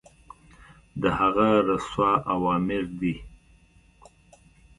د هغه رسول اوامر دي.